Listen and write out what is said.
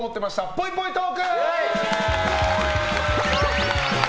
ぽいぽいトーク！